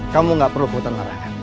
kamu gak perlu ke hutan larangan